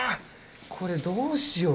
これどうしよう。